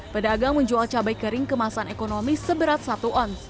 pedagang menjual cabai kering kemasan ekonomi seberat satu on